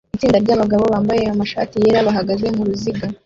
Itsinda ryabagabo bambaye amashati yera bahagaze muruziga